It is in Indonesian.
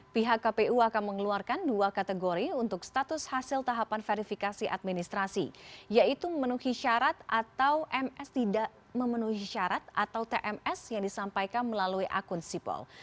pihak kpu akan mengeluarkan dua kategori untuk status hasil tahapan verifikasi administrasi yaitu memenuhi syarat atau tms yang disampaikan melalui akun sipol